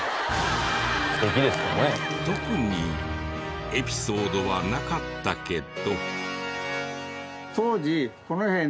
特にエピソードはなかったけど。